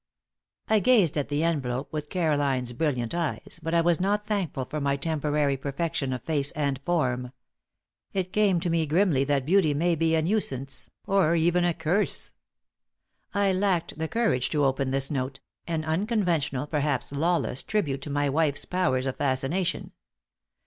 I gazed at the envelope with Caroline's brilliant eyes, but I was not thankful for my temporary perfection of face and form. It came to me grimly that beauty may be a nuisance, or even a curse. I lacked the courage to open this note an unconventional, perhaps lawless, tribute to my my wife's powers of fascination.